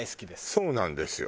そうなんですよ。